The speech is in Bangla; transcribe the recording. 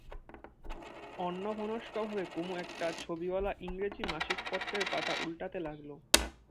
অন্যমনস্কভাবে কুমু একটা ছবিওয়ালা ইংরেজি মাসিক পত্রের পাতা ওলটাতে লাগল।